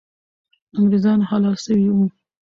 انګریزان حلال سوي وو.